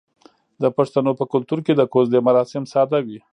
د پښتنو په کلتور کې د کوژدې مراسم ساده وي.